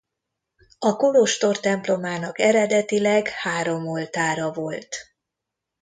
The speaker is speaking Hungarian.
A kolostor templomának eredetileg három oltára volt.